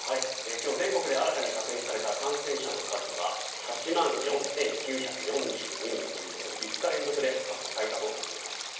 今日、全国で新たに確認された感染者の数は８万４９４２人ということで５日連続で過去最多となっています。